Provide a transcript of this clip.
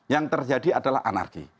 yang terjadi adalah anarki